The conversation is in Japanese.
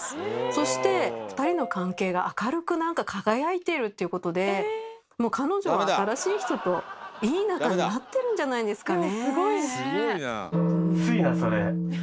そして二人の関係が明るく何か輝いているっていうことでもう彼女は新しい人といい仲になってるんじゃないんですかね。